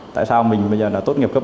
tại sao mình bây giờ đã tốt nghiệp cấp ba